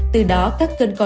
từ đó các cơn cò tinh trùng